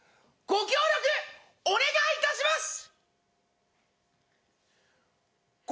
ご協力お願いいたします。